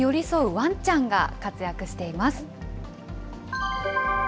ワンちゃんが活躍しています。